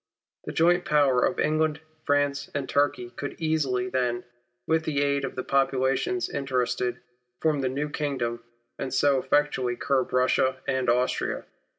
The joint power of England, France, and Turkey could easily, then, with the aid of the populations interested, form the new kingdom, and so effectually curb Russia and Austria.